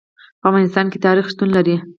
په افغانستان کې تاریخ شتون لري.